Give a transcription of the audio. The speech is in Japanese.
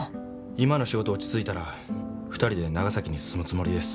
今の仕事落ち着いたら２人で長崎に住むつもりです。